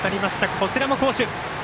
こちらも好守。